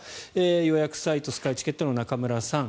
予約サイト、スカイチケットの中村さん。